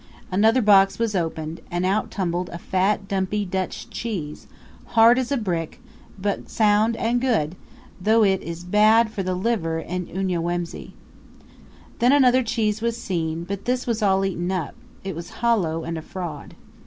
Another box was opened, and out tumbled a fat dumpy Dutch cheese, hard as a brick, but sound and good; though it is bad for the liver in Unyamwezi. Then another cheese was seen, but this was all eaten up it was hollow and a fraud.